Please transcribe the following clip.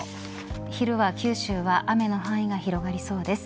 昼は九州は雨の範囲が広がりそうです。